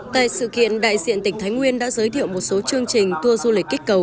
tại sự kiện đại diện tỉnh thái nguyên đã giới thiệu một số chương trình tour du lịch kích cầu